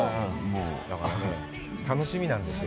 だからね、楽しみなんですよ。